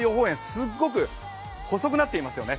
すごく細くなっていくんですよね。